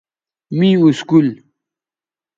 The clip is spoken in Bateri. می اسکول